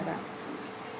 như vậy thì